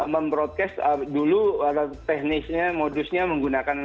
mem broadcast dulu teknisnya modusnya menggunakan